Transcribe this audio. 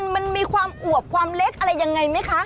มันมีความอวบความเล็กอะไรยังไงไหมคะ